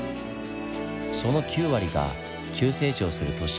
その９割が急成長する都市